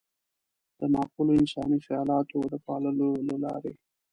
د معقولو انساني خيالاتو د پاللو له لارې.